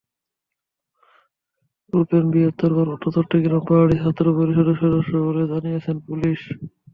Rufane বৃহত্তর পার্বত্য চট্টগ্রাম পাহাড়ি ছাত্র পরিষদের সদস্য বলে জানিয়েছে পুলিশ।